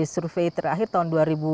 survei terakhir tahun dua ribu sepuluh